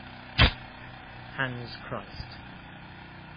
Hans Christ.